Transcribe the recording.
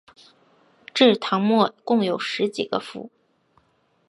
至唐末共有十几个府。